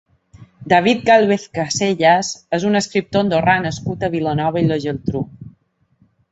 David Gálvez Casellas és un escriptor andorrà nascut a Vilanova i la Geltrú.